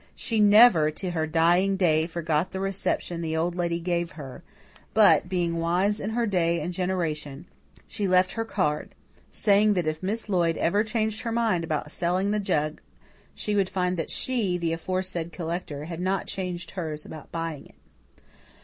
She never, to her dying day, forgot the reception the Old Lady gave her; but, being wise in her day and generation, she left her card, saying that if Miss Lloyd ever changed her mind about selling the jug, she would find that she, the aforesaid collector, had not changed hers about buying it.